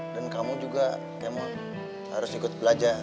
dan kamu juga harus ikut belajar